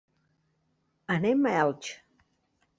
Anem a Elx.